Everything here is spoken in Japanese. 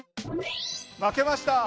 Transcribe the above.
負けました。